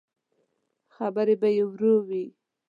خبرې به يې ورو وې.